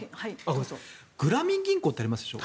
グラミン銀行ってあるでしょ。